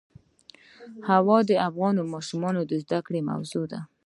هوا د افغان ماشومانو د زده کړې موضوع ده.